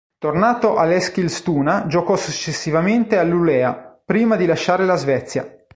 Tornato all'Eskilstuna, giocò successivamente al Luleå, prima di lasciare la Svezia.